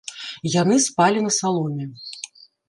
Яны спалі на саломе.